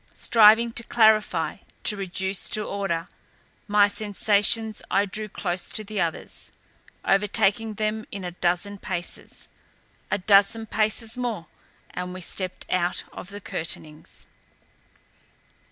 Striving to classify, to reduce to order, my sensations I drew close to the others, overtaking them in a dozen paces. A dozen paces more and we stepped out of the curtainings.